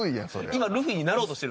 今ルフィになろうとしてる。